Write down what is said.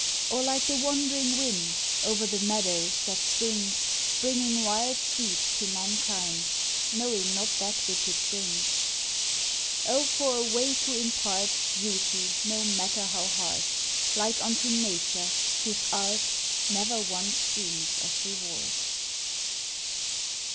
OR, LIKE THE WANDERING WIND, OVER THE MEADOWS THAT SWINGS, BRINGING WILD SWEETS TO MANKIND, KNOWING NOT THAT WHICH IT BRINGS. OH, FOR A WAY TO IMPART BEAUTY, NO MATTER HOW HARD! LIKE UNTO NATURE, WHOSE ART NEVER ONCE DREAMS OF REWARD.